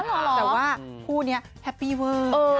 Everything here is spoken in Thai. แต่ว่าคู่นี้แฮปปี้เวอร์